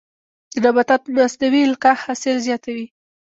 د نباتاتو مصنوعي القاح حاصل زیاتوي.